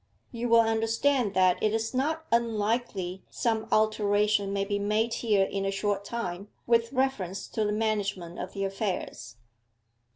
'You will understand that it is not unlikely some alteration may be made here in a short time, with reference to the management of the affairs.